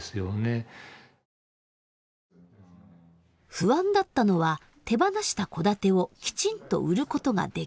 不安だったのは手放した戸建てをきちんと売ることができるか。